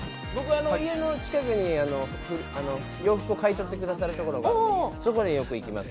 家の近くに洋服を買い取ってくださるところがあるので、そこによく行きます。